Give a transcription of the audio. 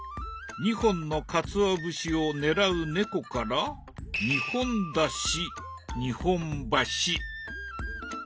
２本のかつお節を狙う猫から二本だし日本橋。